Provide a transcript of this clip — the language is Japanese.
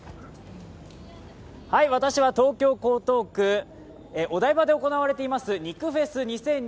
私は東京・江東区のお台場で行われています肉フェス２０２２